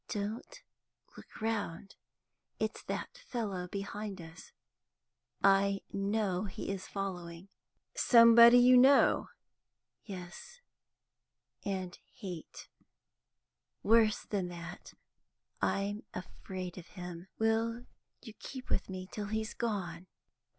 "Don't look round. It's that fellow behind us; I know he is following." "Somebody you know?" "Yes, and hate. Worse than that, I'm afraid of him. Will you keep with me till he's gone?"